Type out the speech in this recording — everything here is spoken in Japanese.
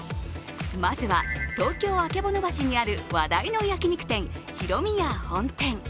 まずは、東京・曙橋にある話題の焼き肉店ヒロミヤ本店。